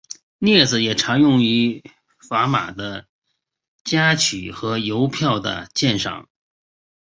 镊子也常用于砝码的夹取和邮票的鉴赏。